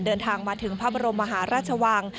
เดินทางมาถึงภาพบรมมหาราชวงศ์